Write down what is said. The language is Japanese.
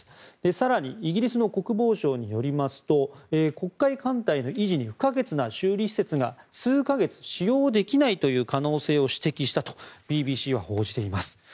更にイギリスの国防省によりますと黒海艦隊の維持に不可欠な修理施設が数か月使用できないという可能性を指摘したとＢＢＣは報じています。